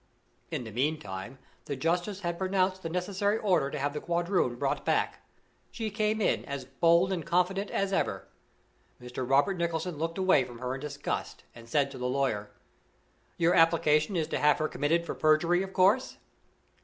In the meantime, the justice had pronounced the necessary order to have the quadroon brought back. She came in, as bold and confident as ever. Mr. Robert Nicholson looked away from her in disgust and said to the lawyer: "Your application is to have her committed for perjury, of course?"